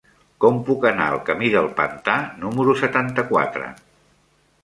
Com puc anar al camí del Pantà número setanta-quatre?